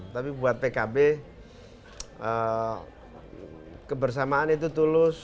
tapi buat pkb kebersamaan itu tulus